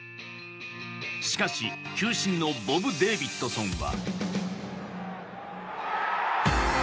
しかし、球審のボブ・デービッドソンは。